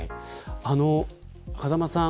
風間さん